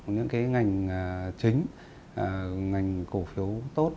những ngành chính ngành cổ phiếu tốt